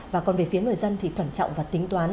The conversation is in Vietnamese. và còn về phía người dân thì cẩn trọng và tính toán